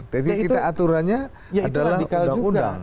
jadi kita aturannya adalah undang undang